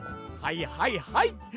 はいはいはい！